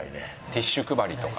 ティッシュ配りとか。